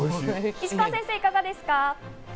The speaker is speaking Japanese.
石川先生、いかがですか？